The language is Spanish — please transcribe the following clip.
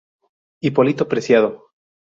Hipólito Preciado.